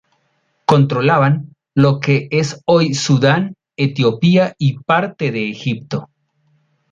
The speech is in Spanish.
Controlaban lo que es hoy Sudán, Etiopía y parte de Egipto.